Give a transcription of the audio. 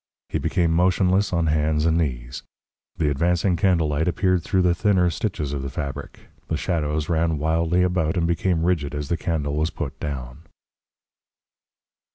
He became motionless on hands and knees. The advancing candle light appeared through the thinner stitches of the fabric, the shadows ran wildly about, and became rigid as the candle was put down.